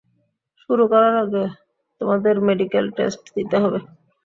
শুরু করার আগে, তোমাদের মেডিকেল টেস্ট দিতে হবে।